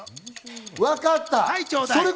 わかった！